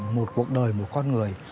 một cuộc đời một con người